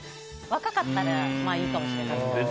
若かったらいいかもしれないですけど。